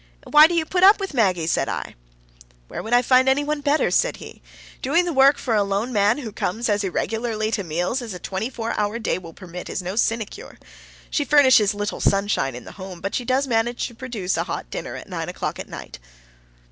"And why do you put up with Maggie?" said I. "And where would I find any one better?" said he. "Doing the work for a lone man who comes as irregularly to meals as a twenty four hour day will permit is no sinecure. She furnishes little sunshine in the home, but she does manage to produce a hot dinner at nine o'clock at night."